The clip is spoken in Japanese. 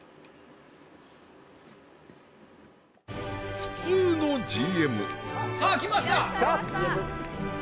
普通のＧＭさあ来ました来た！